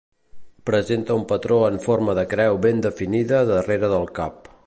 Presenta un patró en forma de creu ben definida darrere del cap.